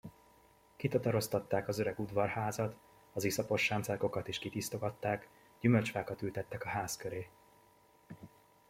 Kitataroztatták az öreg udvarházat, az iszapos sáncárkokat is kitisztogatták, gyümölcsfákat ültettek a ház köré.